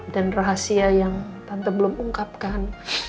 dan rahasia yang tante belum ungkapkan